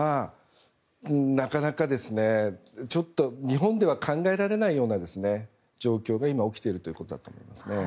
なかなか、ちょっと日本では考えられないような状況が今起きているということだと思いますね。